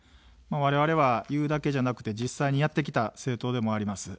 われわれは言うだけじゃなくて実際にやってきた政党でもあります。